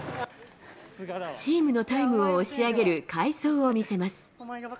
チームのタイムを押し上げる快走を見せます。